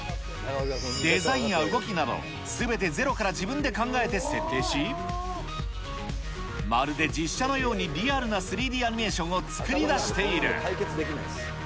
デザインや動きなど、すべてゼロから自分で考えて設定し、まるで実写のようにリアルな３Ｄアニメーションを作り出している。